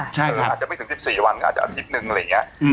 อาจจะไม่ถึง๑๔วันก็อาจจะอาทิตย์นึงอะไรอย่างนี้